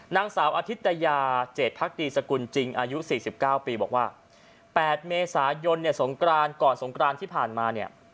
นางสาวอธิตยา๗พรรคดีสกุลจริงอายุ๔๙ปีบอกว่า๘เมษายนสงกรานก่อนสงกรานที่ผ่านมา